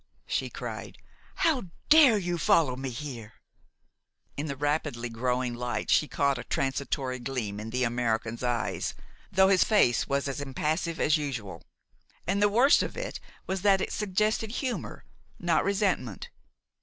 she cried. "How dare you follow me here?" In the rapidly growing light she caught a transitory gleam in the American's eyes, though his face was as impassive as usual. And the worst of it was that it suggested humor, not resentment.